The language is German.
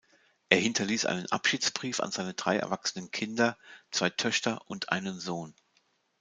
Er hinterließ einen Abschiedsbrief an seine drei erwachsenen Kinder; zwei Töchter und einen Sohn.